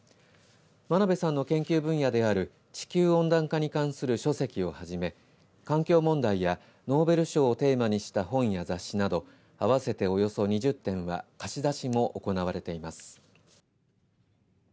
真鍋さんの研究分野である地球温暖化に関する書籍をはじめ環境問題や、ノーベル賞をテーマにした本や雑誌など合わせておよそ２０点は貸し出しも行われています。